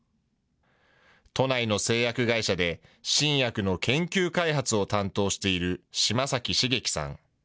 都内の製薬会社で、新薬の研究開発を担当している島崎茂樹さん。